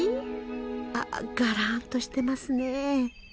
あがらんとしてますね。